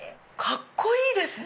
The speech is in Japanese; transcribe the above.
カッコいいですね！